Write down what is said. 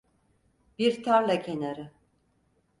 Bir tarla kenarı…